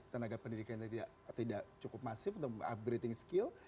tenaga pendidikan tidak cukup masif untuk mengupgrating skill